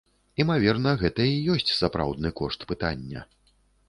Імаверна, гэта і ёсць сапраўдны кошт пытання.